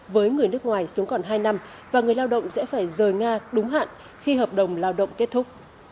với người nước ngoài xuống còn hai năm và người lao động sẽ phải rời nga đúng hạn khi hợp đồng lao động kết thúc